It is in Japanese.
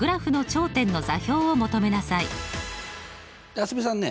蒼澄さんね